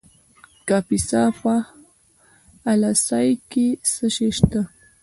د کاپیسا په اله سای کې څه شی شته؟